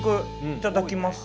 いただきます。